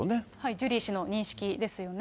ジュリー氏の認識ですよね。